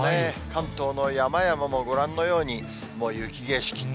関東の山々もご覧のように、もう雪景色。